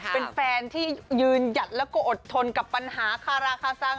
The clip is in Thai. เป็นแฟนที่ยืนหยัดแล้วก็อดทนกับปัญหาคาราคาซัง